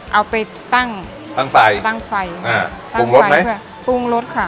เอาไปตั้งตั้งไฟตั้งไฟอ่าตั้งไฟค่ะปรุงรสค่ะ